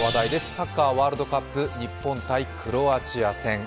サッカーワールドカップ日本×クロアチア戦。